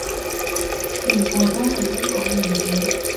全部都係因我而起